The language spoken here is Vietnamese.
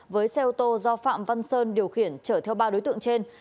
với xe ô tô do phạm văn sơn điều khiển chở theo ba đối tượng trên